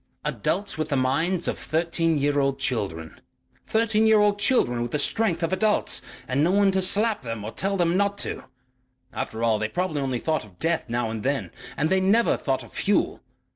"Adults with the minds of thirteen year old children. Thirteen year old children with the strength of adults and no one to slap them or tell them not to.... After all, they probably only thought of death now and then. And they never thought of fuel.